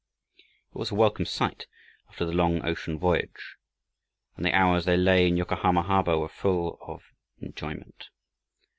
It was a welcome sight, after the long ocean voyage, and the hours they lay in Yokahama harbor were full of enjoyment.